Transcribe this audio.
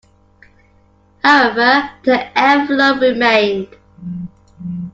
However, the envelope remained.